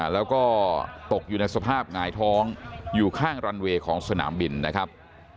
แล้วก็ตกอยู่ในสภาพหงายท้องอยู่ข้างรันเวย์ของสนามบินนะครับ